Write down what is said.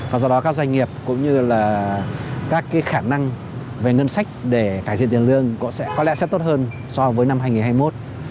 và do đó các doanh nghiệp cũng như là các khả năng về ngân sách để cải thiện tiền lương sẽ có lẽ sẽ tốt hơn so với năm hai nghìn hai mươi một